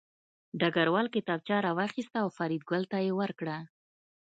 ډګروال کتابچه راواخیسته او فریدګل ته یې ورکړه